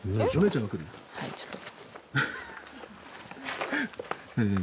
はいちょっと。